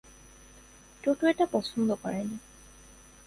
টোটো এটা পছন্দ করেনি।